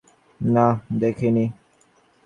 না, দেখিনি।